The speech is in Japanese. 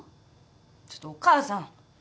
ちょっとお母さん。